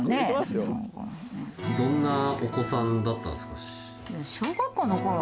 どんなお子さんだったんですか？